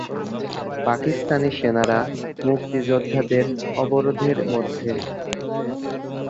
পাকিস্তানি সেনারা মুক্তিযোদ্ধাদের অবরোধের মধ্যে।